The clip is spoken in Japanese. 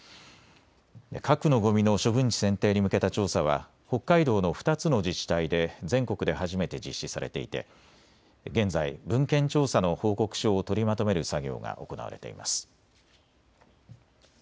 核のごみの処分地選定に向けた調査は北海道の２つの自治体で全国で初めて実施されていて現在、文献調査の報告書を取りまとめる作業が行われています。